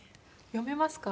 読めますか？